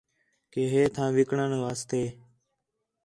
کہ ہے تھاں وا نِکلݨ واسطے